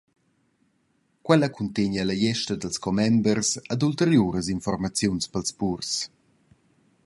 Quella cuntegn era la gliesta dils commembers ed ulteriuras informaziuns pils purs.